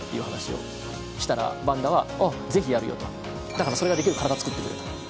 「だからそれができる体を作ってくれ」と。